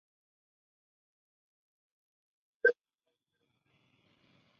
Puede ser rojo, color zanahoria, blanco, blanco y amarillo, o azul.